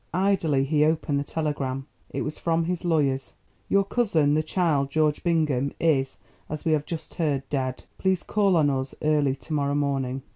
Idly he opened the telegram—it was from his lawyers: "Your cousin, the child George Bingham, is, as we have just heard, dead. Please call on us early to morrow morning."